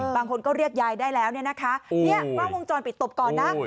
บางคนก็เรียกยายได้แล้วเนี่ยนะคะเนี่ยกล้องวงจรปิดตบก่อนนะ